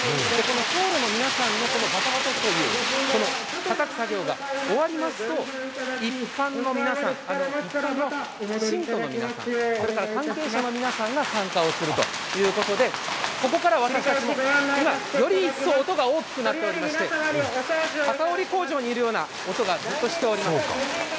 僧侶の皆さんのバタバタというたたく作業が終わりますと、一般の皆さん、信徒の皆さん、それから関係者の皆さんが参加するということでここから私たちも今、より一層音が大きくなりまして機織り工場にいるような音がずっとしております。